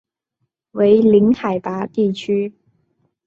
为零海拔地区。